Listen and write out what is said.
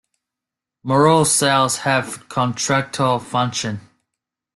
Mural cells have contractile function.